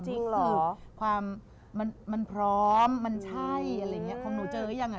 จริงเหรอแบบความมันพร้อมมันใช่อะไรเงี้ยคุณหนูเจอยังอะ